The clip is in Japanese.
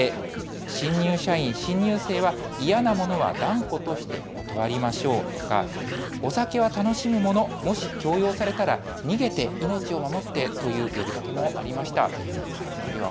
そして新入社員、新入生は嫌なものは断固として断りましょうとかお酒は楽しむもの、もし強要されたら逃げて命を守ってという呼びかけもありました。